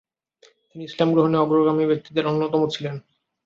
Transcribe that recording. তিনি ইসলাম গ্রহণে অগ্রগামী ব্যক্তিদের অন্যতম ছিলেন।